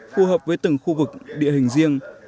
phù hợp với từng khu vực địa hình riêng